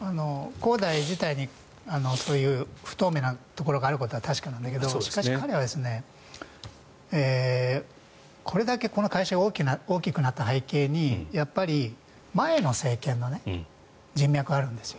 恒大自体にそういう不透明なところがあることは確かなんだけどしかし、彼はこれだけこの会社が大きくなった背景にやっぱり前の政権の人脈があるんですよ。